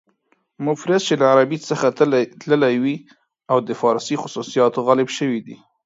مفرس چې له عربي څخه تللي وي او د فارسي خصوصیات غالب شوي دي.